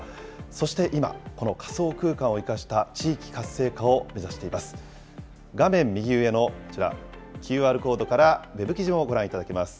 そして今、この仮想空間を生かした地域活性化を目指しています。